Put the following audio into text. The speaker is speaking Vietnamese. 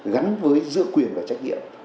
gắn với dựa quyền và trách nhiệm